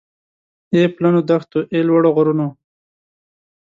اې پلنو دښتو اې لوړو غرونو